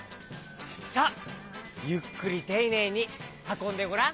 さあゆっくりていねいにはこんでごらん。